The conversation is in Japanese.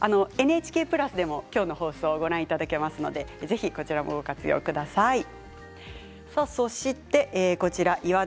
ＮＨＫプラスでもきょうの放送をご覧いただけますのでぜひこちらもご活用ください。